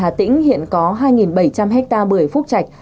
hà tĩnh hiện có hai bảy trăm linh ha bưởi phúc chạch